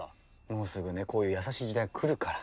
もうすぐねこういう優しい時代来るから。